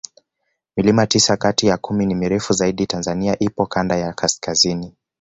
milima tisa Kati ya kumi mirefu zaidi tanzania ipo Kanda ya kaskazini